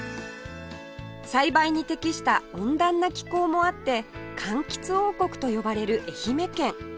栽培に適した温暖な気候もあって柑橘王国と呼ばれる愛媛県